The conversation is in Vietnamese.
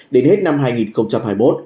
đến hết năm hai nghìn hai mươi một